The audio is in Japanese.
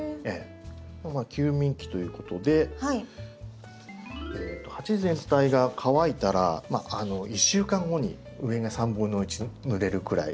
休眠期ということで鉢全体が乾いたら１週間後に上が1/3ぬれるくらいさっと水を。